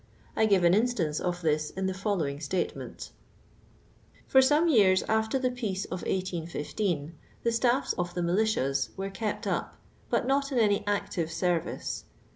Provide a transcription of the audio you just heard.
I give an instiince of this in the following statement :— l'\ir some years after the peace of 1815 the staffs of the militias were kept up, but not ia any active service.